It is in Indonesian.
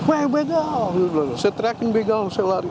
weh begal saya teriakin begal saya lari